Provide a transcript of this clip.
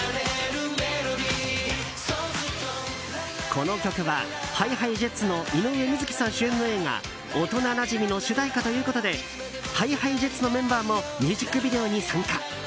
この曲はＨｉＨｉＪｅｔｓの井上瑞稀さん主演の映画「おとななじみ」の主題歌ということでＨｉＨｉＪｅｔｓのメンバーもミュージックビデオに参加。